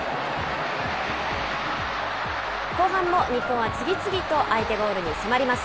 後半も日本は次々と相手ゴールに迫ります。